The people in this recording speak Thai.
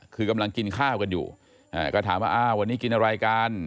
คือกำลังกินข้าวกันอยู่ก็ถามว่าอ้าววันนี้กินอะไรกัน